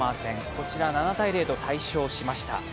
こちら７−０と大勝しました。